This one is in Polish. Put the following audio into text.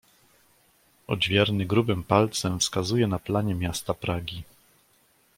"Odźwierny grubym palcem wskazuje na planie miasta Pragi."